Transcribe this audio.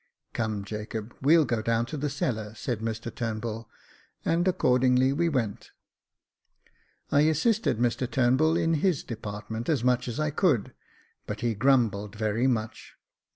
" Come, Jacob, we'll go down into the cellar," said Mr Turnbull ; and accordingly we went. I assisted Mr Turnbull in his department as much as I could, but he grumbled very much.